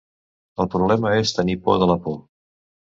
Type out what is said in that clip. El problema és tenir por de la por.